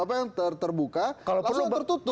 apa yang terbuka langsung tertutup